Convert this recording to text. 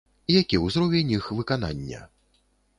Які ўзровень іх выканання?